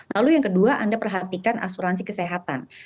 lalu yang kedua anda perhatikan asuransi kesehatan